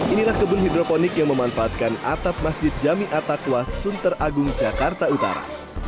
inilah kebun hidroponik yang memanfaatkan atap masjid jami atakwa sunter agung jakarta utara